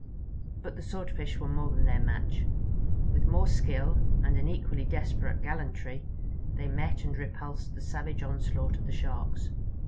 But the Swordfish were more than their match. With more skill, and an equally desperate gallantry, they met and repulsed the savage onslaught of the Sharks.